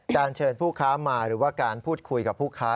เชิญผู้ค้ามาหรือว่าการพูดคุยกับผู้ค้า